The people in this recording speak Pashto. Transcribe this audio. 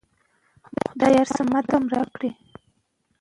د بدن بوی د بس یا عامه ځایونو لپاره توپیر لري.